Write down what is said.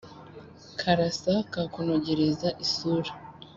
karasa kakunogereza isura